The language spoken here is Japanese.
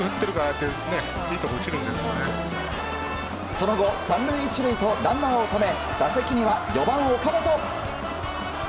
その後３塁１塁とランナーをため打席には４番、岡本。